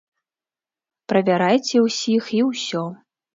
Правярайце ўсіх і ўсё.